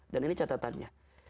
dan ini catatannya